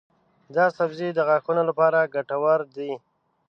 دا سبزی د غاښونو لپاره ګټور دی.